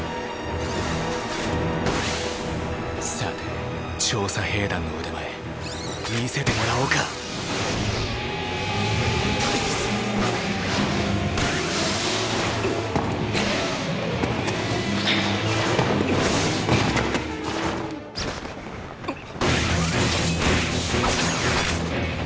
さて調査兵団の腕前見せてもらおうかぬううぅぅぅっ！！